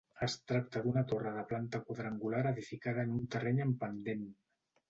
Es tracta d'una torre de planta quadrangular edificada en un terreny amb pendent.